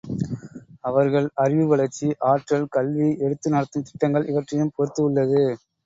அவர்கள் அறிவு வளர்ச்சி, ஆற்றல், கல்வி, எடுத்து நடத்தும் திட்டங்கள் இவற்றையும் பொறுத்து உள்ளது.